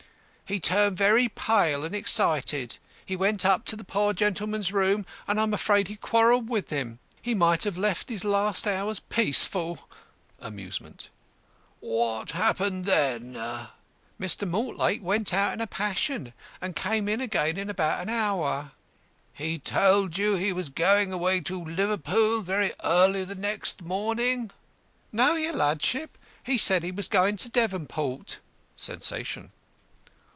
"He turned very pale and excited. He went up to the poor gentleman's room, and I'm afraid he quarrelled with him. He might have left his last hours peaceful." (Amusement.) "What happened then?" "Mr. Mortlake went out in a passion, and came in again in about an hour." "He told you he was going away to Liverpool very early the next morning?" "No, your ludship, he said he was going to Devonport." (Sensation.)